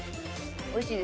おいしい。